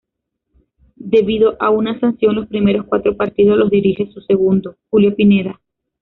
Debido a una sanción los primeros cuatro partidos los dirige su segundo, Julio Pineda.